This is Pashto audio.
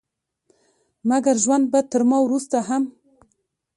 مګر ژوند به تر ما وروسته هم